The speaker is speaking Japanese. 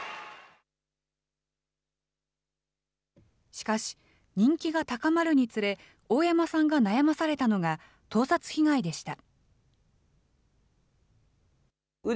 しかし、人気が高まるにつれ、大山さんが悩まされたのが、盗撮被害でした。